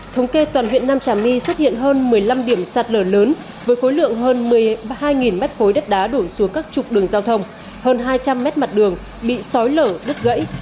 thống kê toàn huyện nam trà my xuất hiện hơn một mươi năm điểm sạt lở lớn với khối lượng hơn một mươi hai mét khối đất đá đổ xuống các trục đường giao thông hơn hai trăm linh m mặt đường bị sói lở đất gãy